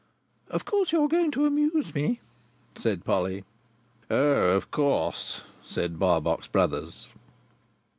"Of course, you are going to amuse me?" said Polly. "Oh, of course," said Barbox Brothers.